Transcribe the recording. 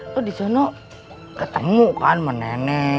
lu disana ketemu kan sama neneng